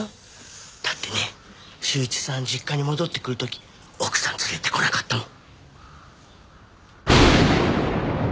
だってね柊一さん実家に戻ってくる時奥さん連れてこなかったもん。